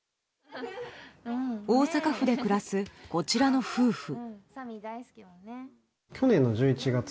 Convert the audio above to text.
大阪府で暮らす、こちらの夫婦。